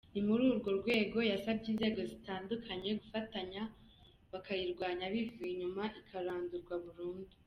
Ni muri urwo rwego yasabye inzego zitandukanye gufatanya bakayirwanya bivuye inyuma ikarandurwa burundu.